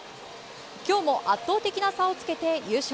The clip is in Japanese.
今日も圧倒的な差をつけて優勝。